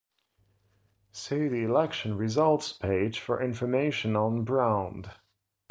See the election results page for information on Braund.